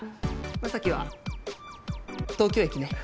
将希は東京駅ね。